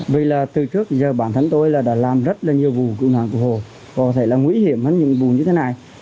vì từ trước bản thân tôi đã làm rất nhiều vụ cựu nạn cựu hồ có thể là nguy hiểm hơn những vụ như thế này